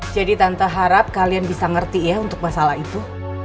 jadi tante harap kalian bisa ngerti ya untuk masalah itu